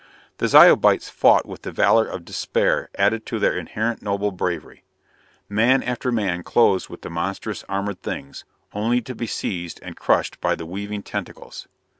The Zyobites fought with the valor of despair added to their inherent noble bravery. Man after man closed with the monstrous, armored Things only to be seized and crushed by the weaving tentacles.